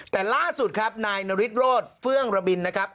แต่ล่าสุดครับนายนฤทธโรธเฟื่องระบินนะครับ